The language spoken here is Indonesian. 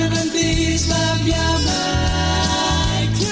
dan berhenti sebab dia baik